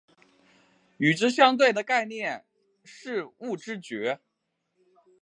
与之相对的概念是物知觉。